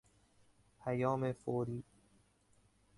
پیام فوری